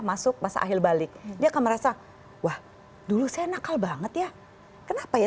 masuk masa akhir balik dia akan merasa wah dulu saya nakal banget ya kenapa ya